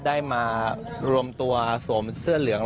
ได้มารวมตัวสวมเสื้อเหลือง